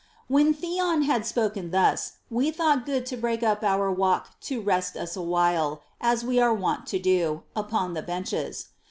20. When Theon had thus spoken, we thought good to break up our walk to rest us awhile (as we were wont to do) upon the benches.